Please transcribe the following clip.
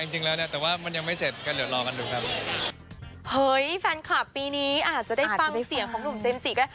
เฮ้ยแฟนคลับปีนี้อาจจะได้ฟังเสียงของหนุ่มเจมจ์ด้วย